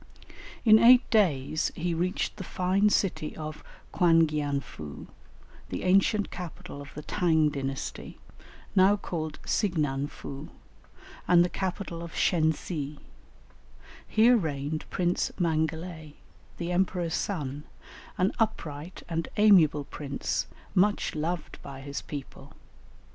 In eight days he reached the fine city of Quangianfoo, the ancient capital of the Tâng dynasty, now called Signanfoo, and the capital of Shensi; here reigned Prince Mangalai, the emperor's son, an upright and amiable prince, much loved by his people.